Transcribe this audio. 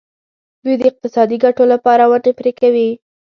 دوی د اقتصادي ګټو لپاره ونې پرې کوي.